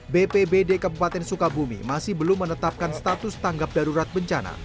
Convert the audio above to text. bpbd kabupaten sukabumi masih belum menetapkan status tanggap darurat bencana